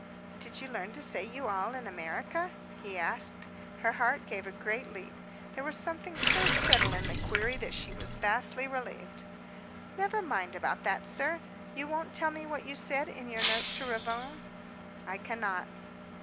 "Did you learn to say 'you all' in America?" he asked. Her heart gave a great leap. There was something so subtle in the query that she was vastly relieved. "Never mind about that, sir. You won't tell me what you said in your note to Ravone." "I cannot."